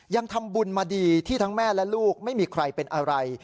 ยังทำบุญมาดีที่ทั้งแม่และลูกไม่มีใครเป็นอะไร